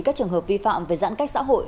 các trường hợp vi phạm về giãn cách xã hội